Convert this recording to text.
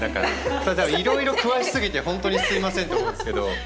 いろいろ詳し過ぎてホントにすいませんって思うんですけど。